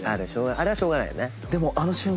あれはしょうがないよね。